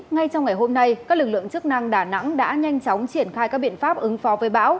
ngay trong ngày hôm nay các lực lượng chức năng đà nẵng đã nhanh chóng triển khai các biện pháp ứng phó với bão